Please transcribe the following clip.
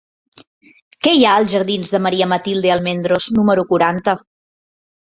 Què hi ha als jardins de Maria Matilde Almendros número quaranta?